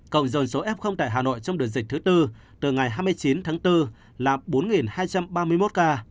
cộng dân số f tại hà nội trong đợt dịch thứ tư từ ngày hai mươi chín tháng bốn là bốn hai trăm ba mươi một ca